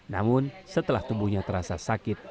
namun setelah tubuhnya terasa sakit